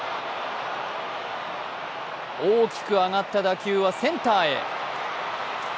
大きく上がった打球はセンターへ。